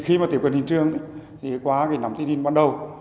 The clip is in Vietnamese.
khi tiếp cận hiện trường qua nắm tin hình ban đầu